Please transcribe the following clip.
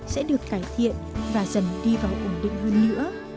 sẽ được cải thiện và dần đi vào ổn định hơn nữa